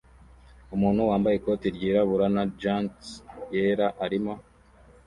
Umuntu wambaye ikoti ryirabura na gants yera arimo